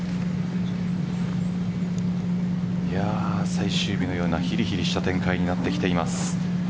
最終日のようなヒリヒリした展開になってきています。